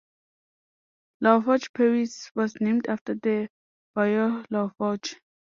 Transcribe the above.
Lafourche Parish was named after the Bayou Lafourche.